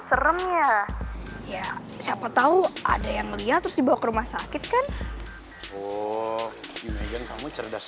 serem ya ya siapa tahu ada yang melihat terus dibawa ke rumah sakit kan kamu cerdas